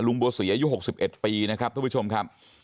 ลุงบัวศรีอายุหกสิบเอ็ดปีนะครับทุกผู้ชมครับ